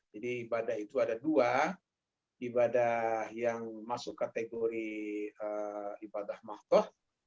jadi ibadah itu ada dua ibadah yang masuk kategori ibadah mahdoh